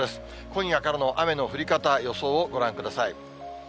今夜からの雨の降り方、予想をご覧ください。